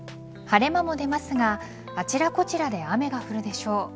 晴れ間も出ますがあちらこちらで雨が降るでしょう。